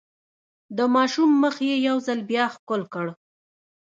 د ماشوم مخ يې يو ځل بيا ښکل کړ.